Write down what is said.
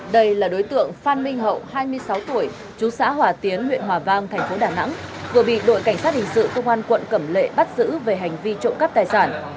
đây là đối tượng phan minh hậu hai mươi sáu tuổi chú xã hòa tiến huyện hòa vang thành phố đà nẵng vừa bị đội cảnh sát hình sự công an quận cẩm lệ bắt giữ về hành vi trộm cắp tài sản